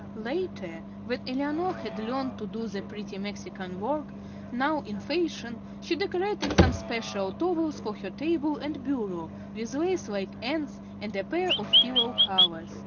Later, when Eleanor had learned to do the pretty Mexican work, now in fashion, she decorated some special towels for her table and bureau, with lace like ends, and a pair of pillow covers.